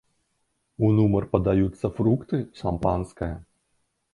У нумар падаюцца фрукты шампанскае.